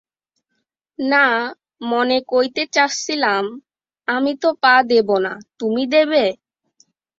না, মনে কইতে চাস্সিলাম, আমি তো পা দেবো না, তুমি দেবে?